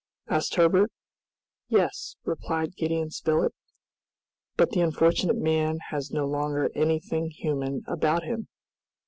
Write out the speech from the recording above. asked Herbert. "Yes," replied Gideon Spilett, "but the unfortunate man has no longer anything human about him!"